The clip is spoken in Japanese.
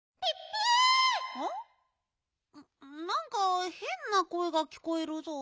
なんかへんなこえがきこえるぞ。